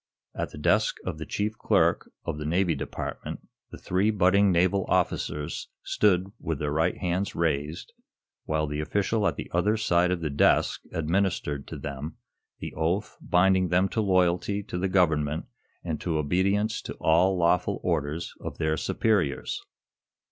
At the desk of the chief clerk of the Navy Department the three budding naval officers stood with their right hands raised while the official at the other side of the desk administered to them the oath binding them to loyalty to the government and to obedience to all lawful orders of their superiors.